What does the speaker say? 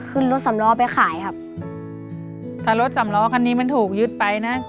ขึ้นรถสำล้อไปขายครับถ้ารถสำล้อคันนี้มันถูกยึดไปนะ